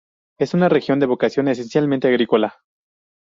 Es una región de vocación esencialmente agrícola.